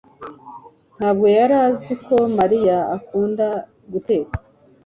ntabwo yari azi ko mariya akunda guteka